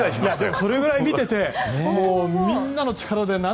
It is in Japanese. それぐらい、見ててみんなの力で。